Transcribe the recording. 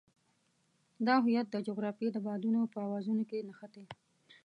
دا هویت د جغرافیې د بادونو په اوازونو کې نغښتی.